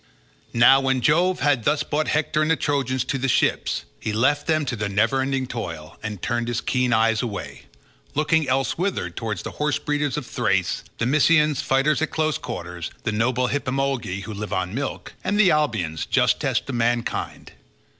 Now when Jove had thus brought Hector and the Trojans to the ships, he left them to their never ending toil, and turned his keen eyes away, looking elsewhither towards the horse breeders of Thrace, the Mysians, fighters at close quarters, the noble Hippemolgi, who live on milk, and the Abians, justest of mankind.